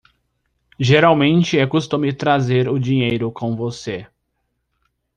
Geralmente é costume trazer o dinheiro com você.